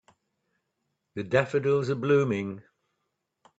The daffodils are blooming.